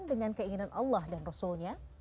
dengan keinginan allah dan rasulnya